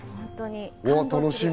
楽しみ。